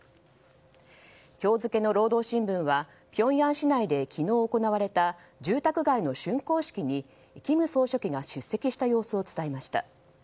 今日付の労働新聞はピョンヤン市内で昨日行われた住宅街の竣工式に金総書記が出席した様子を伝えました。